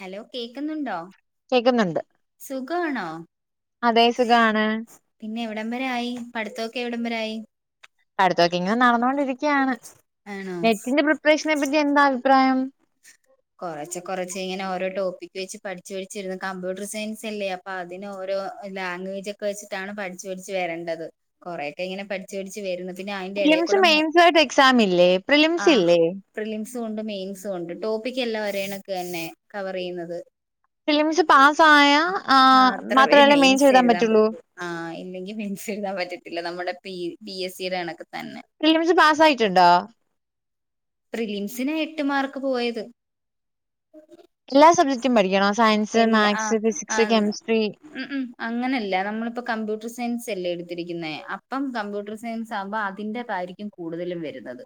Hello കേക്കുന്നുണ്ടോ കേക്ക്ന്നുണ്ട് സുഖണോ സുഖാണ് പിന്നെ എവിടം വരെ ആയി പഠിത്തം ഒക്കെ എവിടം വരെ ആയി പടുത്തൊക്കെ ഇങ്ങനെ നടന്നു കൊണ്ടിരിക്കുകയാണ് ആണോ നെറ്റിന്റെ പ്രിപ്പറേഷനെപ്പറ്റി എന്താ അഭിപ്രായം കൊറച്ചെ കൊറച്ചെ ഇങ്ങനെ ഓരോ ടോപ്പിക് വെച്ച് പഠിച്ചച്ച് പഠിച്ചിരുന്നു കമ്പ്യൂട്ടർ സയൻസ് അല്ലേ അപ്പ പ്പ അതിനോരോ ലാംഗ്വേജ് ഒക്കെ വെച്ചിട്ടാണ് പഠിച്ച് പഠിച്ച് വരേണ്ടത് കൊറെ യെക്കെ ഇങ്ങനെ പഠിച്ചു പഠിച്ചച്ച് വരുന്നു പിന്നെ അതിന്റെ ഇടയിൽ പ്രിലിംസ് കൂടെ മു മെയിൻസ ആയിട്ട് എക്സാം ഇല്ലേ പ്രിലിംസ് ആ ഇല്ലേ പ്രിലിംസും ഉണ്ട് മെയിൻസും ഉണ്ട്, ടോപ്പിക് എല്ലാം ഒരേണക്ക് തന്നെ കവർ ചെയ്യുന്നത് പ്രിലിംസ് പാസ്സായ ആ മാത്രമേ മെയിൻസ് എഴുതാൻ പറ്റൂ ആഹ് ഇല്ലെങ്കിൽ മെയിൻസ് എഴുതാൻ പറ്റത്തില്ല, നമ്മുടെ പി പി എസ് സി യുടെ കണക്ക് തന്നെ എൽ എം എസ് പാസ് ആയിട്ടുണ്ടോ പ്രിലിംസിനാ എട്ട് മാർക്ക് പോയത് എല്ലാ സബ്ജക്ടും പഠിക്കണോ സയൻസ്, ഇല്ല ആഹ് മാത്സ്, ഫിസിക്സ്, ആഹ് കെമിസ്ട്രി ഉം ഉം അങ്ങനെയല്ല നമ്മളിപ്പോ കമ്പ്യൂട്ടർ സയൻസ് അല്ലേ എടുത്തിരിക്കുന്നേ അപ്പം കമ്പ്യൂട്ടർ സയൻസ് സംഭവം അതിന്റെതായിരിക്കും കൂടുതലും വരുന്നത്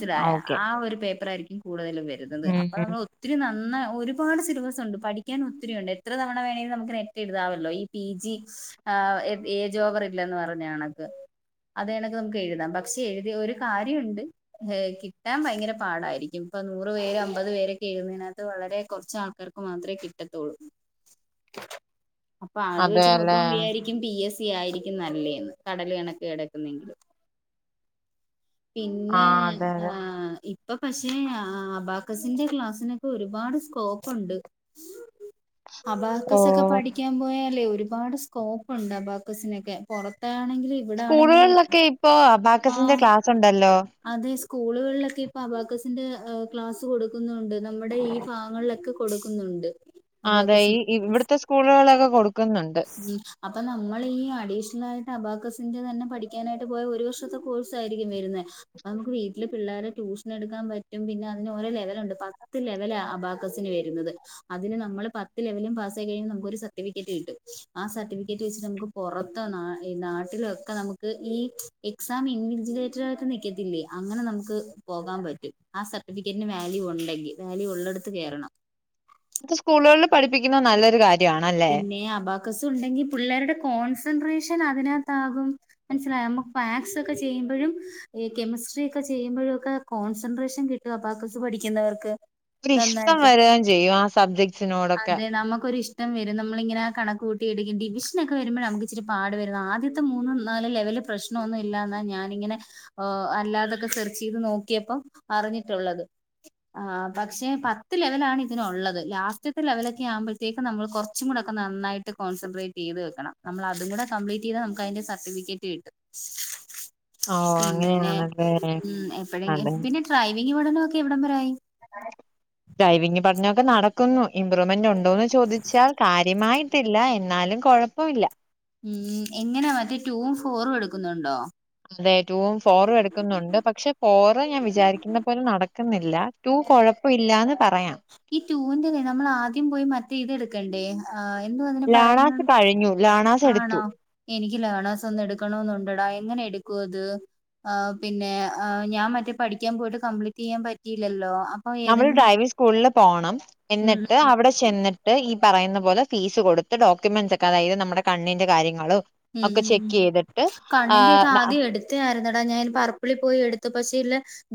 സിലായ ഓക്കെ ആ ഒരു പേപ്പർ ആയിരിക്കും കൂടുതലും വരുന്നത് അപ്പൊ ഉം നമ്മൾ ഒ ഒത്തിരി നന്ന ഒരുപാട് സിലബസ് ഉണ്ട് പഠിക്കാൻ ഒത്തിരിയുണ്ട് എത്ര തവണ വേണേലും നമുക്ക് നെറ്റ എഴതാമല്ലോ ഈ പി ജി ആ ഏജ് ഓവർ ഇല്ലന്ന് പറഞ്ഞ ണക്ക് അതേണക്ക് നമുക്ക് എഴുതാം പക്ഷെ എഴുതിയാ ഒരു കാര്യം ഉണ്ട് ഏഹ് കിട്ടാൻ ഭയര പാടായിരിക്കും ഇപ്പൊ നൂറ് പേര് അമ്പത് പേരൊക്കെ എഴുന്നതിനകത്ത് വളരെ കുറച്ച ആൾക്കാർക്ക് മാത്രമേ കിട്ടത്തുള്ളൂ അപ്പൊ അത് വെച്ച് അതെല്ലേ നോക്കുമ്പ വിചാരിക്ക പി എസ് സി ആയിരിക്കും നല്ലെന്ന് കടൽ കണക്ക് കിടക്കുന്നെങ്കിലും ആ പിന്നെ അതെ അതെ ആ ഇപ്പൊ പക്ഷെ അബാക്കസിന്റെ ക്ലാസ്സിനൊക്കെ ഒരുപാട് സ്കോപ്പ്‌ണ്ട്. ഓ അബാകസൊക്ക പഠി ക്കാൻ പോയാലേ ഒരുപാട് സ്കോപ്പ്ണ്ടാബാക്കസിനൊക്കെ പുറത്താണെങ്കിൽ സ്കൂളുകളിലൊക്കെ ഇപ്പൊ അബാക്കസിന്റെ ആഹ് ക്ലാസ് ഉണ്ടല്ലോ അതെ സ് സ്കൂളുകളിലൊക്കെ ഇപ്പ അബാക്കസിന്റെ ക്ലാസ് കൊടുക്കുന്നുണ്ട് നമ്മുടെ ഈ ഭാഗങ്ങളിലൊക്കെ കൊടുക്കുന്നുണ്ട്. ആഹ് അതെ അബാക്കസിന്റെ ഈ ഇവിടുത്തെ സ്കൂളുകളൊക്കെ കൊടുക്കുന്നുണ്ട് ഈ അപ്പൊ നമ്മൾ ഈ അഡീഷണൽ ആയിട്ട് അബാക്കസിന്റെ തന്നെ പഠിക്കാനായിട്ട് പോയ ഒരു വർഷത്തെ കോഴ്സ് ആയിരിക്കും വരുന്നത്. നമുക്ക് വീട്ടില് പിള്ളേരെ ട്യൂഷൻ എടുക്കാൻ പറ്റും പിന്നെ അതിന് ഓരോ ലെവലുണ്ട് പത്ത് ലെവല അബാക ന് വരുന്നത്. അതിന് നമ്മള് പത്ത് ലവലും പാസ് ആയി കഴിഞ്ഞാ നമുക്കൊരും സർട്ടിഫിക്കറ്റ് കിട്ടും. ആ സർട്ടിഫിക്കറ്റ് വെച്ച് നമുക്ക് പുറത്ത് നാ-നാട്ടിലൊക്കെ നമുക്ക് ഈ എക്സാം ഇൻവെൻറിലേറ്റർ ആയിട്ട് നിൽക്കത്തില്ലേ അങ്ങനെ നമുക്ക് പോകാൻ പറ്റും. ആ സർട്ടിഫിക്കറ്റിന് വാല്യു ഉണ്ടെങ്കിൽ വാല്യു ഉള്ളിടത്ത് കേറണം സ്കൂളുകളിൽ പഠപ്പിക്കുന്ന നല്ലൊരു കാര്യം പിന്നെ അബാകസ് ഉണ്ടെങ്കിൽ പിള്ളേരുടെ കോൺസെൻട്രേഷൻ അതിനകത്താകും മനസ്സിലായോ നമ്മക്ക് പാസക്കെ ചെയ്യുമ്പോഴും ഈ കെമിസ്ട്രി ഒക്കെ ചെയ്യുമ്പോഴും ഒക്കെ കോൺസെൻട്രേഷൻ കിട്ടൊ അപാക്കസ് പഠിക്കുന്നവർക്ക് ഒരി ഇഷ്ടം നന്നായിട്ട് വരകയും ചെയ്യും ആ സബ്ജക്ട് അതെ നമുക്കൊരിഷ് ഇം വരും നമ്മളിങ്ങനെ കണക്ക് കൂട്ടി എടുക്കും ഡിവിഷനൊക്കെ വരുമ്പോയാ നമുക്ക് ഇച്ചിരി പാട് വരുന്നത് ആദ്യത്തെ മൂന്ന് നാല് ലെവല് പ്രശ് പ്രശ്മൊന്നും ഇല്ലാനാ ഞാനിങ്ങനെ ആഹ് അല്ലാതൊക്കെ സെർച്ച് ചെയ്ത് നോക്കിയപ്പം അറിഞ്ഞിട്ടുള്ളത് ആഹ് പക്ഷെ പത്ത് ലെവല് ആണ് ഇതിനുള്ളത് ലാസ്റ്റ് റ്റ്ത്തെ ലെവലൊക്കെ ആ കുമ്പഴത്തേക്ക് നമ്മള് കുറച്ചും കൂടൊക്ക നന്നായിട്ട് കോൺസെട്രേറ്റ് ചെയ്ത് വെക്കണം. നമ്മള് അതും കൂടെ കംപ്ലീറ്റ് ചെയ്താ നമുക്ക് അതിന്റെ സർട്ടിഫിക്കറ്റ് കിട്ടും. ഓ പിന്നെ അങ്ങനെയാണല്ലേ ഉം അതെ എപ്പഴങ്കിലുംപിന്നെ ഡ്രൈവിംഗ്പടനൊക്കെ എവിടംവരെ ആയി? ഡ്രൈവിംഗ് പടനൊക്കെ നടക്കുന്നു ഇമ്പ്രൂവ്മെന്റ് ഉണ്ടോന്ന് ചോദിച്ചാൽ കാര്യമായി ല്ല എന്നാലും കുഴപ്പമില്ല. ഉം എങ്ങനെ മറ്റി ടൂവും ഫോറും എടുക്കുന്നുണ്ടോ? അതെ ടുവും ഫോറും എടുക്കുന്നുണ്ട്. പക്ഷെ ഫോർ ഞാൻ വിചാരിക്കുന്ന പോലെ നടക്കുന്നില്ല. ടൂ കുഴപ്പം ഇല്ലാന്ന് പറയാം ഈ ടൂവിന്റെ നമ്മൾ ആദ്യം പോയി മറ്റേ ഇതെട് കണ്ടേ ആഹ് എന്നു അതിന് ലാണാസ് പറയുന്നത് കഴിഞ്ഞു ലാണാസ് എടുത്തു ആണോ എനിക്ക് ലേണാസ് ഒന്ന് എടുക്കണം ന്നുണ്ടടാ എങ്ങനെ എടുക്കും അത് ആ പിന്നെ അ ഞാൻ മറ്റേ പഠിക്കാൻ പോയിട്ട് കംപ്ലീറ്റ് ചെയ്യാൻ പറ്റിയില്ലല്ലോ അ നമ്മള് ഡ്രൈവിംഗ് സ്കൂളിൽ പോകണം ഉം എന്നിട്ട് അവിടെ ചെന്നിട്ട് ഈ പറയുന്ന പോലെ ഫീസ് കൊടുത്ത് ഡോക്യൂമെന്റ്സ് ഒക്കെ അതായത് നമ്മുടെ കണ്ണിന്റെ കാര്യങ്ങള് ഉം ഉം കണ്ണിന്റെയൊക്കെ ആഹ് ആദ്യം എട് കത്യായിരുന്നുടാ ഞാൻ പാറപ്പിളി പോയി എടുത്ത് പക്ഷേ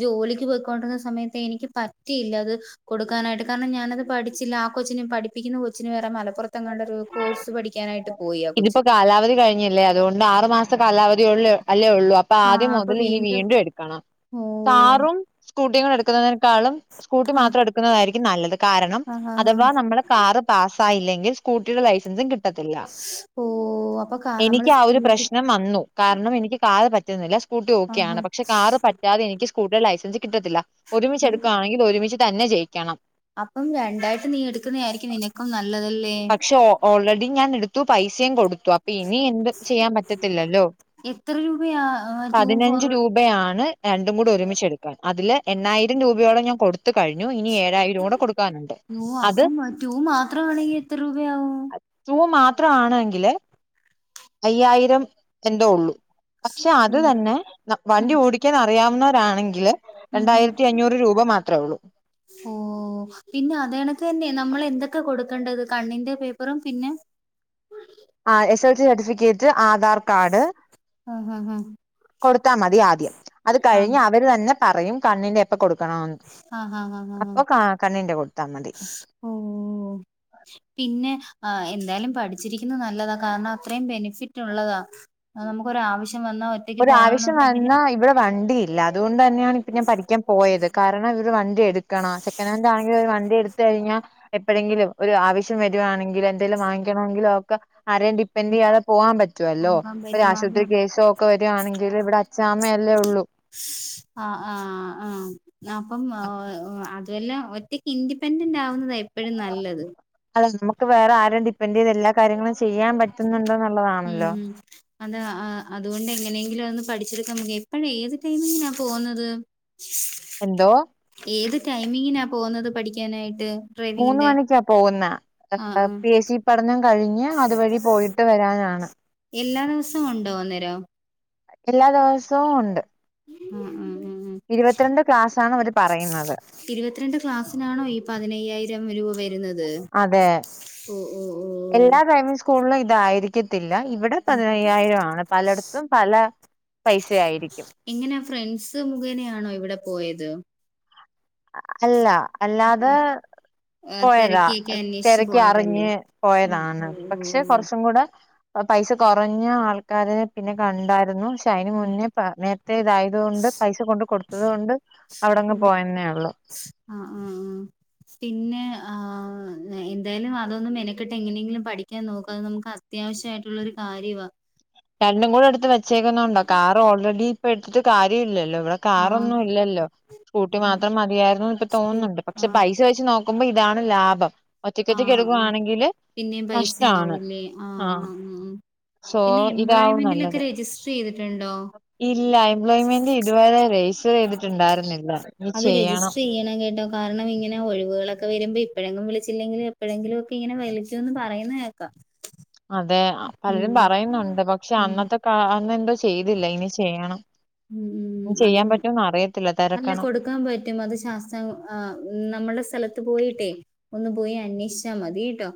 ജോലിക്ക് പോയ്ക്കൊണ്ടിരുന്ന സമയത്ത് എനിക്ക് പറ്റിയില്ല അത് കൊടുക്കാനായിട്ട് കാരണം ഞാനത് പഠിച്ചില്ല. ആ കൊച്ചിനെ പഠിപ്പിക്കുന്ന കൊച്ചിന് വേറെ മലപ്പുറ എങ്ങാണ്ടൊരു കോഴ്സ് പഠിക്കാനായിട്ട് പോയി ആ കൊച്ച് ഇതിപ്പോ കാലാവധി കഴിഞ്ഞില്ലേ അതുകൊണ്ട് ആറു മാസം കാലാവധി ഉള്ള അല്ലേ ഉള്ളൂ അപ്പൊ ആഹ് ആദ്യം അപ്പൊ മുതൽ ഇനി വീണ്ടും എടുക്കണം. ഓ കാറും സ്കൂട്ടിയും എടുക്കുന്നതിനെക്കാളും സ്കൂട്ടി ആഹ് മാത്രം എടുക്കുന്നതായിരിക്കും നല്ലത്. കാരണം- ആഹ് ആഹ് അഥവാ നമ്മള് കാറ് പാസായില്ലെങ്കിൽ സ്കൂട്ടിയുടെ ലൈസൻസും കിട്ടത്തില്ല. ഓ അപ്പൊ കാ നമ്മള് എനിക്ക് ആ ഒരു സ്കൂട്ടി പ്രശ്നം വന്നു. കാരണം എനിക്ക് കാറ് പറ്റുന്നില്ല സ്കൂട്ടി ഓക്കെയാണ്. ആഹ് പക്ഷെ കാറ് പറ്റാതെ എനിക്ക് സ്കൂട്ടീയുടെ ലൈസൻസ് കിട്ടത്തില്ല. ഒരുമിച്ച് എടുക്കുകയാണെങ്കിൽ ഒരുമിച്ച് തന്നെ ജയിക്കണം അപ്പം രണ്ടായിട്ട് നീ എടുക്കുന്ന ആയിരിക്കും നിനക്കും നല്ലതല്ലേ ക്ഷേ ഓൾറെഡി ഞാൻ എടുത്തു പൈസയും കൊടു അപ്പൊ ഇനി എന്ത് ചെയ്യാൻ പറ്റത്തില്ലല്ലോ എത്ര രൂപയാ ടൂ ഫോർ പതിനഞ്ച് രൂപ ആണ് രണ്ടും കൂടെ ഒരുമിച്ച് എടുക്കാൻ. അതില് എണായിരം രൂപയോടെ ഞാൻ കൊടു ത്ത് കഴിഞ്ഞു ഇനി ഏഴായിരം കൂടെ കൊടുക്കാനുണ്ട് ടൂ അത് അപ്പം ടൂ മാത്രം മാണെങ്കിൽ എത്ര രൂപയാവും? സൂ മാത്രാണെങ്കില് അയ്യായിരം എന്തോ ഉള്ളു പക്ഷെ അത് ഉം തന്നെ ഉം വണ്ടി ഓടിക്കാൻ അറിയാവുന്നവരാണെങ്കിൽ രണ്ടായിരത്തി അഞ്ഞൂറ് രൂപ മാത്രമേ ഉള്ളൂ ഓഹ് പിന്നെ അതണക്ക് തന്നെ നമ്മൾ എന്തൊക്കെ കൊടുക്കേണ്ടത് കണ്ണിന്റെ പേപ്പറും പിന്നെ ആഹ് S L C certificate Aadhaar card ആഹ് ആഹ് കൊടുത്താ മതി ആദ്യം അത് ആഹ് കഴിഞ്ഞ് അവര് തന്നെ പറയും കണ്ണിന്റെ എപ്പൊ കൊടുക്കണന്ന് ആഹ് ആഹ് ആഹ് അപ്പൊ കണ്ണിന്റെ കൊടുത്താൽ മതി ഓഹ് പിന്നെ ആ എന്തായാലും പഠിച്ചിരിക്കുന്നത് നല്ലതാ കാരണം അത്രയും ബെനിഫിറ്റ് ഉള്ളതാ നമുക്ക് ഒരു ആവശ്യം വന്നാ ഒ ഒരുആവശ്യം വന്നാൽ ഇവിടെ വണ്ടി ഇല്ല അതുകൊണ്ട് തന്നെയാണ് ഇപ്പൊ ഞാൻ പഠിക്കാൻ പോയത് കാരണം ഒര് വണ്ടി എടുക്കണം സെക്കനാൻഡ് ആണെങ്കിൽ ഒരു വണ്ടി എടു കഴിഞ്ഞാൽ എപ്പോഴെങ്കിലും ഒരു ആവശ്യം വരുവാണെങ്കിലും എന്തെലും വാങ്ങിക്കണമെങ്കിലും ഒക്കെ ആരെയും ഡിപ്പെെൻഡ് ചെയ്യാതെ പോകാൻ പറ്റുവല്ലോ പോകാൻ ഒരു പറ്റും അത് ആശുപത്രി കേസോ കൊ വരിവാണെങ്കിൽ ഇവിടെ അച്ചാമ്മയല്ലേ ഉള്ളൂ ആഹ് ആഹ് ആഹ് അപ്പം അ അതുവല്ല ഒറ്റക്ക് ഇൻഡിപെൻഡന്റ് ആവുന്നതാ എപ്പോഴും നല്ലത് അതെ നമുക്ക് വേറെ ആരേം ഡിപ്പെൻഡ് ചെയ്ത് എല്ലാ കാര്യങ്ങളും ചെയ്യാൻ പറ്റുന്നുണ്ട് ഉം ന്നുള്ളതാണല്ലോ ഉം അതാ അതുകൊണ്ട് എങ്ങനെയെങ്കിലും അത് പഠിച്ചെടുക്കാൻ [unintelligible] എപ്പോഴാ ഏത് ടൈമിംഗിനാ പോകുന്നത്? [unintelligible] എന്തോ ഏത് ടൈംമിങ്ങിനാ പോകുന്നത് പഠിക്കാനായിട്ട്? മൂന്ന് ഡ്രൈവിങ്ങിന്റെ മണിക്കാ പോകുന്നേ. ആ ആ [unintelligible] പി എസ് സി പഠനം കഴിഞ്ഞ് അതുവഴി പോയിട്ട് വരാനാണ് എല്ലാ ദിവസവും ഉണ്ടോ അന്നേരം? എല്ലാ ദിവസവും ഉണ്ട് ഉം ഉം ഉം ഉം ഇരുപത്തിരണ്ട് ക്ലാസ് ആണ് അവര് പറയുന്നത് ഇരുപത്തിരണ്ട് ക്ലാസ്സിനാണോ ഈ പതിനയ്യായിരം രൂപ വരുന്നത് അതെ ഓ ഓ ഓ എല്ലാ പ്രൈമറി സ്കൂളിലും ഇതായിരിക്കും. ഇല്ല ഇവിടെ പതിനയ്യായിരം ആണ്. പലയിടത്തും പല പൈസ ആയിരിക്കും. എങ്ങനെയാ ഫ്രണ്ട്സ് മുഖേനയാണോ ഇവിടെ പോയത് അല്ല അല്ലാതെ ആ, പോയതാ തിരക്കിയൊക്കെ അന്വേഷിച്ച് തിരക്ക് പോയതല്ലേ അറിഞ്ഞ് ഓ ഓ പോയതാണ് ഓ പക്ഷെ ഓ. കുറച്ചും കൂടെ പൈസ കുറഞ്ഞ ആൾക്കാര പിന്നെ കണ്ടായിരുന്നു പശ്ശേ ഉം. മുന്നേ നേരത്തെ ഇതായതുകൊണ്ട് പൈസ കൊണ്ട് കൊടുത്തത് കൊണ്ട് അവിടെങ്ങ് ഉം. പോയന്നാണ് [unintelligible] ആ ആ ആ പിന്നെ ആ എന്തായാലും അതൊന്ന് മെനക്കെട്ട് എങ്ങനെങ്കിലും പഠിക്കാൻ നോക്ക് നമുക്ക് അ അത്യാവശ്യയിട്ടുള്ളൊ ഒരു കാര്യമാണ് രണ്ടും കൂടെ എടുത്ത് വച്ചേക്കുന്നുണ്ടോ കാറ് ഓൾറെഡി ഇപ്പൊ എടുത്ത് കാര്യ ഇല്ലല്ലോ ഇവിടെ ആ കാറൊന്നും ഇല്ലല്ലോ സ്കൂട്ടി ഉം. മാത്രം മതിയായിരുന്നു ഇപ്പ സ്കൂൾ തോന്നുന്നുണ്ട്. പക്ഷെ ആ പൈസ വെച്ച് നോക്കുമ്പോ ഇതാണ് ലാഭം. ആ ആ ഒറ്റക്കൊഒറ്റക്കിടുവാണെങ്കില് പിന്നെയും നഷ്ട്ടാണ്. പൈസയാവൂല്ലേ ആഹ് ആ ആഹ് ഉം സോ പിന്നെ ഇതാവും എംപ്ലോയ്മെന്റിലൊക്കെ നല്ലത് രജിസ്റ്റർ ചെയ്തിട്ടുണ്ടോ? ഇല്ല എംപ്ലോയ്മെന്റ് ഇതുവരെ രജിസ്റ്റർ ചെയ്തിട്ടുണ്ടായിരുന്നില്ല ഇനി അത് ചെയ്യണം രജിസ്റ്റർ ചെയ്യണം കേട്ടോ കാരണം ഇങ്ങനെ ഒഴിവുകളൊക്കെ വരുമ്പോ ഇപ്പെഴെങ്കിലും വിളി ച്ചില്ലെങ്കിൽ എപ്പോഴെങ്കിലും ഒക്കെ ഇങ്ങനെ വലിക്കൂ എന്ന് പറയുന്ന കേക്കാം അതെ പലരും ഉം പറയുന്നുണ്ട് പക്ഷെ ഉം അന്നത്തെ കാ അന്ന എന്തോ ചെയ്തില്ല ഇനി ചെയ്യണം. ഉം ഉം അതും ചെയ്യാൻ പറ്റോന്ന് അറിയത്തില്ല അല്ല തിരക്കണം കൊടുക്കാൻ പറ്റും അത് ശാസ്ത്രം നമ്മളുടെ സ്ഥലത്ത് പോയിട്ടേ ഒന്ന് പോയി അന്വേഷിച്ചാൽ മതിട്ടോ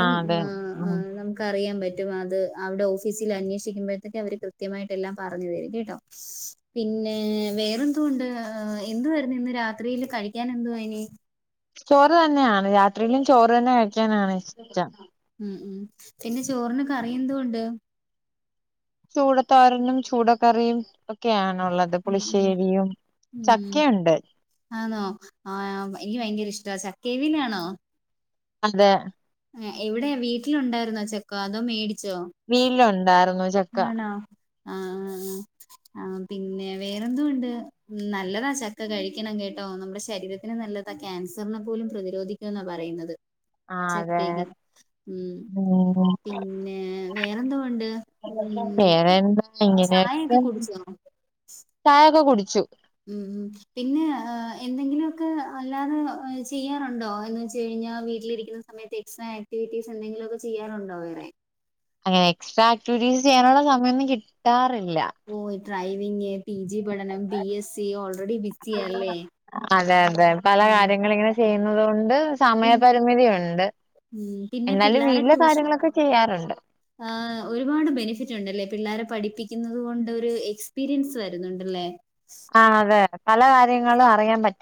ആ അതെ ആഹ് ഉം ആഹ് അറിയാൻ പറ്റും അത് അവിടെ ഓഫീസിൽ അന്വേഷിക്കുമ്പോഴത്തേക്ക അവര് കൃത്യമായിട്ട് എല്ലാം പറഞ്ഞു തരും കേട്ടോ. പിന്നെ വേറെന്തൊണ്ട് എന്തുവാരുന്നു ഇന്ന് രാത്രിയില് കഴിക്കൻ എന്തുവാഇനി ചോറ് തന്നെയാണ് രാത്രിയിലും ചോറ് തന്നെ കഴിക്കാനാണ് ഇഷ്ടം ഉം ഉം പിന്നെ ചോറിന് കറി എന്തൊണ്ട് ചൂടത്തോരനും ചൂട കറിയും ക്കെയാണുള്ളത് ഉം ഉം പുളിശ്ശേരിയും ഉം. ചക്കയുണ്ട് ആണോ ആ എനിക്ക് ഭയങ്കര ഇഷ്ട ചക്കേവലിലാണോ അതെ ആ എവിടെയ വീട്ടിലുണ്ടായിരുന്നോ ചക്ക അതോ മേടിച്ചോ വീലുണ്ടായിരുന്നു ആണോ ആഹ് ആഹ് ആഹ് പിന്നെ വേറെന്തോണ്ട് നല്ലതാ ചക്ക കഴിക്കണം കേട്ടോ നമ്മുടെ ശരീരത്തിന് നല്ല ക്യാൻസറിനെ പോലും പ്രതിരോധിക്കുന്നാ പറയുന്നത് ആ അതെ ചക്കേല് ഉം ഉം പിന്നെ വേറെന്തോണ്ട്? വേറെന്താ ഇങ്ങനെയൊക്കെ കുടിച്ചോ ചായൊക്കെ കുടിച്ചു ഉം ഉം പിന്നെ എന്തെങ്കിലൊക്കെ അല്ലാതെ ചെയ്യാറുണ്ടോ എന്ന് വെച്ച് കഴിഞ്ഞാ വീട്ടിലിരിക്കുന്ന സമയത്ത് എക്സ്ട്രാ ആക്ടിവിറ്റീസ് എന്തങ്കിലും ഒക്ക ചെയാറുണ്ടോ വേറെ എക്സ്ട്രാ ആക്ടിവിറ്റീസ് ചെയ്യാനുള്ള സമയൊന്നും കിട്ടാറില്ല ഓ ഡ്രൈവിംഗ് പി ജി പഠനം പി എസ് സി ഓൾറെഡി ബിസിയാ അല്ലേ? ചെയ്യുന്നുന്നതോണ്ട് പിന്നെ സമയപരിമിതി ഉണ്ട് ഉം പിന്നെ എന്നാലും പിള്ളാരെ വീട്ടിലെ ട്യൂഷൻ കാര്യങ്ങളൊക്കെ ചെയ്യാറുണ്ട് ആഹ് ഒരുപാട് ബെനിഫിറ്റ് ഉണ്ടല്ലേ പിള്ളോരെ പഠിപ്പിക്കുന്നത് കൊണ്ട് ഒരു എക്സ്പീരിയൻസ് വരുന്നുണ്ടല്ലേ? ആഹ് അതെ പല കാര്യങ്ങളും അറിയാൻ പറ്റും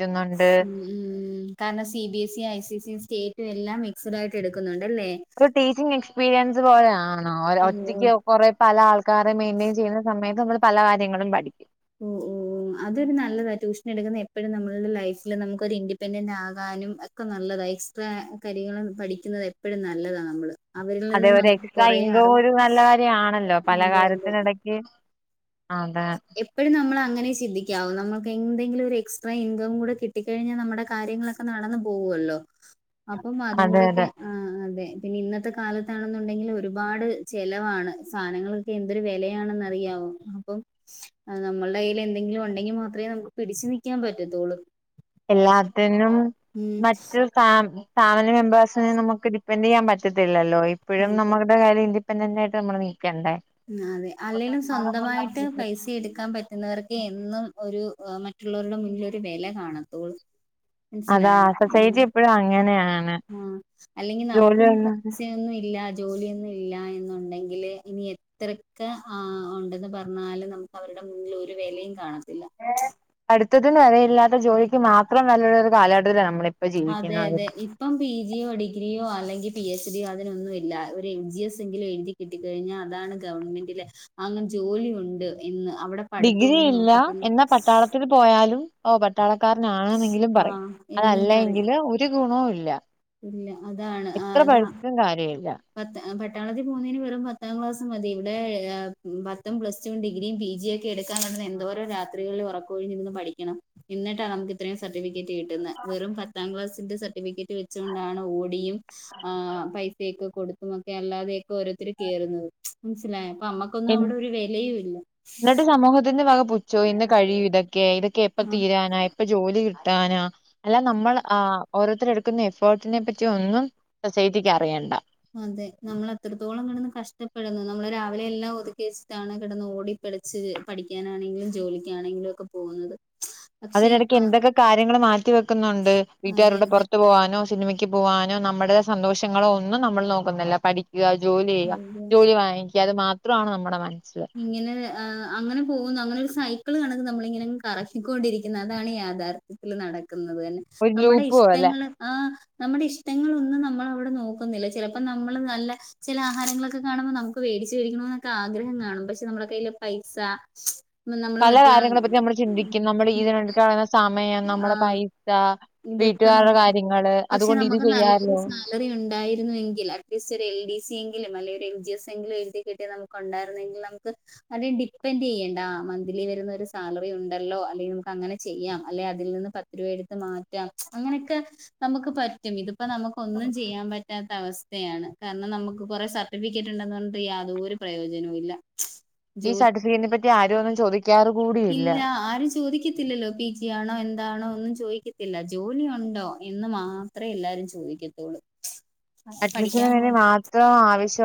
ഉം ഉം കാരണം C B S E I C S സ സ്റ്റേറ്റും എല്ലാം മിക്സഡായിട്ട് എടുക്കുന്നുണ്ട്ല്ലേ? ഒരു ടീച്ചിങ് എക്സ്പീരിയൻസ് പോലെ യാണോ ഓ ഓ ഒറ്റക്ക് കുറെ പല ആൾക്കാരെ മെയിന്റെയിൻ ചെയ്യുന്ന സമയത്ത് നമ്മൾ പല കാര്യങ്ങളും പഠിക്കും ഉം ഉം ഉം അതൊരു നല്ലതാ ട്യൂഷൻ എടുക്കുന്ന എപ്പോഴും നമ്മുടെ ലൈഫില് നമുക്ക് ഒരു ഇൻഡിപെൻഡന്റ് ആകാനും ഒക്കെ നല്ലതാണ് എക്സ്ട്രാ കാര്യങ്ങളും പഠിക്കുന്നത് എപ്പോഴും നല്ലതാണ് നമ്മള് അവരിൽ അതേ നിന്ന് ഒരു നമുക്ക് എക്സ്ട്രാ കൊറേ ഇൻകം അറിവ് ഒരു നല്ല കാര്യ ആണല്ലോ പല അതെ കാര്യത്തിനിട ഓക്കെ അതെ ഇപ്പോഴും നമ്മൾ അങ്ങനെ ചിന്തിക്കാവും നമ്മുക്ക് എന്തെിലും ഒരു എക്സ്ട്രാ ഇൻകം കൂടെ കിട്ടി കഴിഞ്ഞാൽ നമ്മുടെ കാര്യങ്ങളൊക്കെ നടന്ന് പോകുമല്ലോ അപ്പം അതും അതെ കൂടെക്കെ അതെ അതെ പിന്നെ ഇന്നത്തെ കാലത്താണെന്നുണ്ടെങ്കിൽ ഒരുപാട് ചെിലവാണ് സാധനങ്ങൾക്കൊക്കെ എന്തൊരു വിലയാണെന്ന് അറിയാവോ അപ്പം നമ്മളുടെ കയ്യിൽ എന്തെങ്കിലും ഉണ്ടെങ്കിൽ മാത്രമേ നമുക്ക് പിടിച്ചു നിൽക്കാൻ പറ്റത്തുള്ളൂ എല്ലാത്തിനും ഉം മറ്റു ഫ ഫാമിലി മെമ്പേഴ്സിനും നമുക്ക് ഡിപ്പെൻഡ് ചെയ്യാൻ പറ്റും പറ്റത്തില്ലല്ലോ ഇപ്പോഴും അതെ നമ്മളുടെ കാര്യം ഇൻിപെൻഡന്റ് ആയിട്ട് നമ്മൾ നീക്കണ്ടേ അതെ അല്ലെങ്കലും സ്വന്തമായിട്ട് പൈസ എടുക്കാൻ പറ്റുന്നവർക്ക് എന്നും ഒരു മറ്റുള്ളവരുടെ മുന്നിൽ ഒരു വില കാണത്തുള്ളൂ അതാ സൊസൈറ്റി എപ്പോഴും അങ്ങനെയാണ് ആഹ അല്ലെങ്കിൽ നമുക്കിനി ജോലിയൊന്നും [unintelligible] ഇല്ലാത് ജോലിയൊന്നും ഇല്ല എന്നുണ്ടെങ്കില് ഇനി എത്രക്കെ ആ ഉണ്ടന്ന് പറഞ്ഞാലും നമുക്ക് അവരുടെ മുന്നിൽ ഒരു വിലയും കാണത്തില്ല പഠിത്തത്തിന് വിലയില്ലാത്ത ജോലിക്ക് മാത്രം വിലയുളളൊരു കാലഘട്ടത്തില നമ്മള അതെ അതെ ഇ ഇപ്പം പി ജിയോ ഡിഗ്രിയോ അല്ലെങ്കിൽ പി എച്ച് ഡിയോ അതിനൊന്നുമില്ല ഒരു എൽജി എസ് എങ്കിലും എഴുതി കിട്ട കഴിഞ്ഞാൽ അതാണ് ഗവൺമെന്റില് അങ്ങനെ ജോലിയ ഉണ്ട് എന്ന് അവിടെ ഡിഗ്രി പഠിത്തൊന്നും ഇല്ല നോക്കത്തില്ല എന്ന പട്ടാളത്തിൽ പോയാലും ഓ പട്ടാളക്കാരനാണെന്നെങ്കിലും പറയും ആഹ് എന്ന് അതല്ല പറയും എങ്കില് ഒരു ഗുണവും ഇല്ല ഇല്ല അതാണ് എത്ര അതാ പഠിച്ചിട്ടും കാര്യം ഇല്ല പത്ത് പട്ടാളത്തി പോകുന്നതിന് വെറും പത്താം ക്ലാസ് മതി ഇവിടെ പത്തും പ്ലസ് ഡിഗ്രിയും പി ജിയും ഒക്കെ എടുക്കാൻ കടന്ന് എന്തോ രാത്രിളിൽ ഉറക്കൊഴിഞ്ഞിരുന്ന് പഠിക്കണം എന്നിട്ടാണ് നമുക്ക് ഇത്രയും സർട്ടിഫിക്കറ്റ് കിട്ടുന്നത് വെറും പത്താം ക്ലാസ്സിന്റെ സർട്ടിഫിക്കറ്റ് വെച്ചു കൊണ്ടാണ് ഓടിയും ആഹ് പൈസൊക്കെ കൊടുത്തും ഒക്കെ അല്ലാതെയൊക്കെ ഓരോരുത്തർ കേയറുന്നത് മനസ്സിലായി അപ്പം ഞമ്മക്ക് എന്നിട്ട് സമൂഹത്തിന്റെ വക ചോ ഇന്ന് കഴിയും ഇതൊക്കെ ഇതൊക്കെ എപ്പ തീരാനാ എപ്പ ജോലി കിട്ടാനാ അല്ല നമ്മൾ ആഹ് ഓരോരുത്തർ എടുക്കുന്ന എഫേർട്ടിനെ പറ്റി ഒന്നും സൊസൈറ്റിക്ക് അറിയണ്ട അതെ നമ്മൾ അത്രത്തോളം കിടന്ന് കഷ്ടപ്പെടുന്നു നമ്മളള് രാവിലെ എല്ലാം ഒതുക്കി വെച്ചിട്ടാണ് കിടന്ന് ഓടി പിളച്ച് പഠിക്കാനാണെങ്കിലും ജോലിക്കാണെങ്കിലും ഒക്കെ പോകുന്നത് പക്ഷെ അതിനിടയ്ക്ക് എന്തൊക്കെ കാര്യങ്ങൾ മാറ്റിവെക്കുന്നുണ്ട് അതെ വീട്ടുകാരുടെ പുറത്തു പോകാനോ സിനിമയ്ക്ക് പോവാനോ നമ്മടെ സന്തോഷങ്ങളോ ഒന്നും നമ്മൾ നോക്കുന്നില്ല പഠിക്കുക ജോലി ചെയ്യുക അതെ ജോലി വാങ്ങിക്കു അത് മാത്രമാണ് നമ്മുടെ മനസ്സ് ഇങ്ങനെ അങ്ങനെ പോകുന്നു അങ്ങനെ ഒരു സൈക്കിൾ കണക്ക് നമ്മളിങ്ങനെ കറക്കിക്കൊണ്ടിരിക്കുന്ന അതാണ് യാഥാർ വീട്ടിൽ നടക്കുന്നത് തന്നെ ഒരു നമ്മുടെ ലൂപ്പ് പോലെ ഇഷ്ടങ്ങള് ആ നമ്മുടെ ഇഷ്ടങ്ങളൊന്നും നമ്മൾ അവിടെ നോക്കുന്നില്ല ചിലപ്പോ നമ്മൾ നല്ല ചില ആഹാരങ്ങളൊക്കെ കാണുമ്പോൾ നമുക്ക് വേടിച്ചു കഴിക്കണം എന്നൊക്കെ ആഗ്രഹം കാണും പക്ഷെ നമ്മള കയ്യിൽ പൈസ നമ്മള് പല മറ്റേ കാര്യങ്ങളെ പറ്റി നമ്മൾ ചിന്തിക്കും നമ്മൾ ഈതിനണ്ട സമയം ആ നമ്മളുടെ പൈസ ഇതൊക്കെ വീട്ടുകാരുടെ കാര്യങ്ങള് പക്ഷെ അതുകൊണ്ട് ഇത് നമുക്ക് നല്ലൊരു ചെയ്യാല്ലോ സാലറി ഉണ്ടായിരുന്നുവെങ്കിൽ അറ്റ്ലീസ്റ്റ് ഒരു എൽഡിസി എങ്കിലും അല്ലെങ്കിൽ ഒരു എൽ ജി എസ് എങ്കിലും എഴുതിയിട്ടാ നമുക്ക് ക്കെണ്ടായിരുന്നെങ്കിൽ നമുക്ക് അതി ഡിപ്പെെൻഡ് ചെയ്യണ്ട മന്ത്ലി വരുന്ന ഒരു സാലറി ഉണ്ടല്ലോ അല്ലെങ്കിൽ നമുക്ക് അങ്ങനെ ചെയ്യാം അല്ലെ അതിൽ നിന്ന് എടുത്ത് മാറ്റാം അങ്ങനെയൊക്കെ നമുക്ക് പറ്റും ഇതിപ്പോ നമുക്ക് ഒന്നും ചെയ്യാൻ പറ്റ പറ്റാത്ത അവസ്ഥയാണ് കാരണം നമുക്ക് കൊറെേ സർട്ടിഫിക്കറ്റ് ഉണ്ടെന്ന് പറഞ്ഞിട്ട് യാതൊരു പ്രയോജനവും ഇല്ല ഈ ജോലി സർട്ടിഫിക്കറ്റിനെ പറ്റി ആരോ ഒന്ന് ചോദിക്കാറ് കൂടി ഇല്ല ആരും ചോദിക്ക ല്ലല്ലോ പി ജി ആണോ എന്താണോ ഒന്നും ചോദിക്കത്തില്ല ജോലിയു ണ്ടോ എന്ന് മാ അത്ര എല്ലാരും ചോയിക്കത്തോള്ളൂ. അഡ്മിഷൻ വേണ്ടി മാത്രം ആവിശ്യം